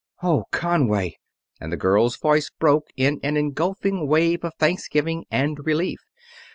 "Oh, Conway!" and the girl's voice broke in an engulfing wave of thanksgiving and relief.